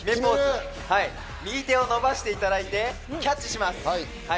右手を伸ばしていただいてキャッチします。